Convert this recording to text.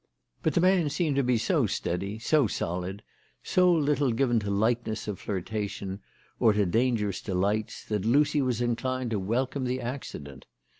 But the man seemed to be so steady, so solid, so little given to lightnesses of flirtation or to dangerous delights, that Lucy was inclined to welcome the accident.